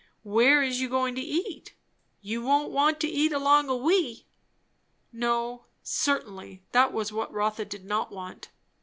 "Where is you goin' to eat? You won't want to eat along o' we?" No, certainly, that was what Rotha did not want.